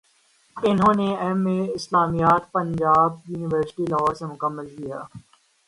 انہوں نے M A اسلامیات پنجاب یونیورسٹی لاہور سے مکمل کیا